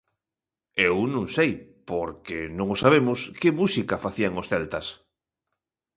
Eu non sei, porque non o sabemos, que música facían os celtas.